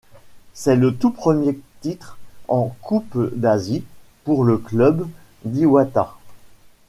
C'est le tout premier titre en Coupe d'Asie pour le club d'Iwata.